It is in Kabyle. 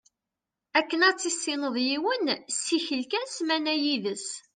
Akken ad tissineḍ yiwen, ssikel kan ssmana yid-s.